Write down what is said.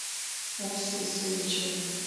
اوس يې سوي چيـغي